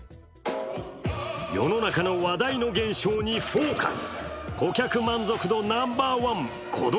世の中の話題の現象に「ＦＯＣＵＳ」。